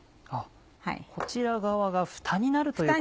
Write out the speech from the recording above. こちら側がふたになるという？